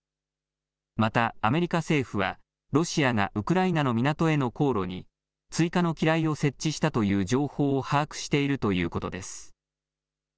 またアメリカ政府はロシアがウクライナの港への航路に追加の機雷を設置したという情報を把握しているということです。